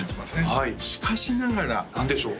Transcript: はいしかしながら何でしょう？